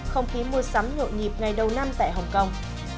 không khí mua sắm nhộn nhịp ngày đầu năm tại hồng kông